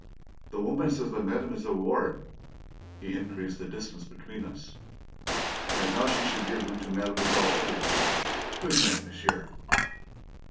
"The woman says that Mademoiselle Ward " he increased the distance between us "that now she should give them to Mademoiselle Elliott! GOOD night, monsieur!"